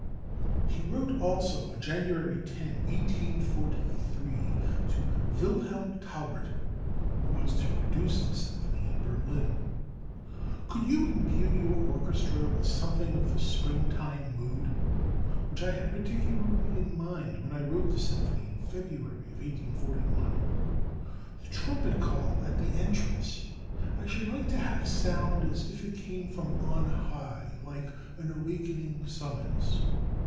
He wrote also, on January 10, 1843, to Wilhelm Taubert (who was to produce the symphony in Berlin): "Could you imbue your orchestra with something of the springtime mood, which I had particularly in mind when I wrote the symphony in February, 1841? The trumpet call at the entrance I should like to have sound as if it came from on high like an awakening summons.